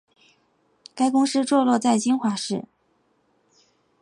该公司坐落在金华市。